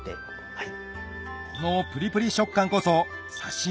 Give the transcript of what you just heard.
はい。